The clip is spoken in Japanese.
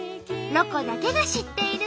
「ロコだけが知っている」。